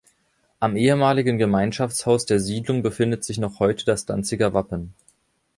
Am ehemaligen Gemeinschaftshaus der Siedlung befindet sich noch heute das Danziger Wappen.